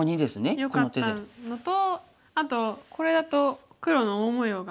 よかったのとあとこれだと黒の大模様が。